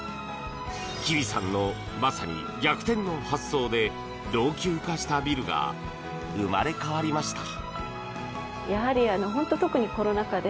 吉備さんの、まさに逆転の発想で老朽化したビルが生まれ変わりました。